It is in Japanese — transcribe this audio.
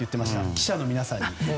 記者の皆さんに。